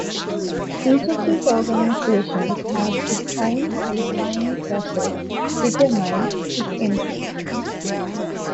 Each of these organizations has its own qualifying process to determine its entrants.